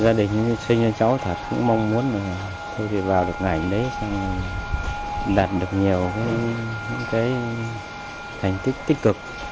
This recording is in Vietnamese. gia đình sinh cho cháu thật cũng mong muốn là tôi vào được ngành đấy xong là đạt được nhiều những cái thành tích tích cực